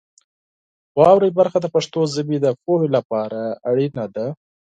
واورئ برخه د پښتو ژبې د پوهې لپاره اړینه ده.